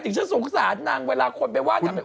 ถึงฉันสงสารนางเวลาคนไปว่าที่อุลังกุตัง